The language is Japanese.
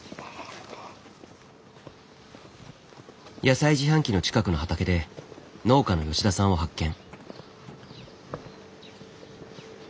野菜自販機の近くの畑で農家の吉田さんを発見。